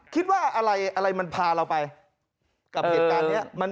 คิดว่าอะไรมันพาเราไปกับเหตุการณ์นี้